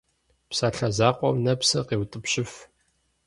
Псалъэ закъуэм нэпсыр къеутӏыпщыф.